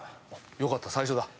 よかった、最初だ。